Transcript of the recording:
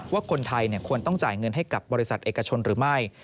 ว่าคนไทยควรต้องจ่ายเงินให้กับบริษัทเอกชนหรือไม่